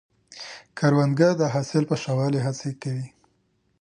کروندګر د حاصل په ښه والي هڅې کوي